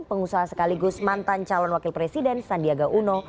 pengusaha sekaligus mantan calon wakil presiden sandiaga uno